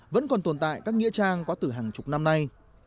vẫn còn tồn tại các nghĩa trang có từ hàng chục năm nay